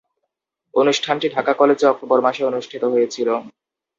অনুষ্ঠানটি ঢাকা কলেজে অক্টোবর মাসে অনুষ্ঠিত হয়েছিলো।